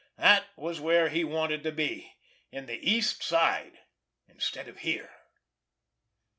That was where he wanted to be—in the East Side, instead of here!